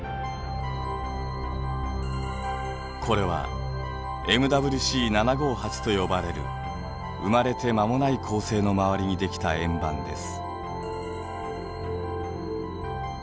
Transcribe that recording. これはＭＷＣ７５８と呼ばれる生まれて間もない恒星の周りにできた円盤です。